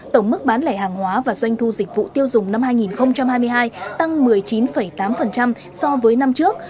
tổng mức bán lẻ hàng hóa và doanh thu dịch vụ tiêu dùng năm hai nghìn hai mươi hai tăng một mươi chín tám so với năm trước